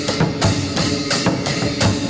สวัสดีสวัสดี